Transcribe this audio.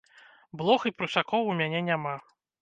Блох і прусакоў у мяне няма.